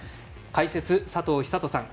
解説、佐藤寿人さん